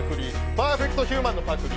パーフェクトヒューマンのパクリ。